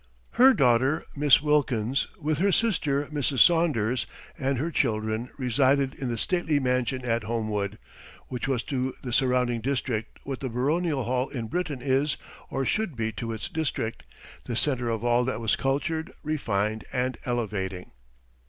Her daughter, Miss Wilkins, with her sister, Mrs. Saunders, and her children resided in the stately mansion at Homewood, which was to the surrounding district what the baronial hall in Britain is or should be to its district the center of all that was cultured, refined, and elevating.